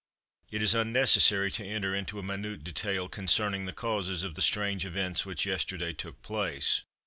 It is unnecessary to enter into a minute detail concerning the causes of the strange events which yesterday took place.